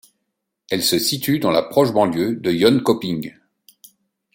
Elle se situe dans la proche banlieue de Jönköping.